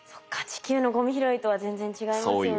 地球のゴミ拾いとは全然違いますよね。